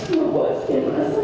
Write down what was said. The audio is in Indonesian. membuat saya merasa